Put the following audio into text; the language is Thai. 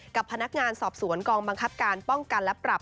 กับพนักงานสอบสวนกองบังคับการป้องกันและปรับ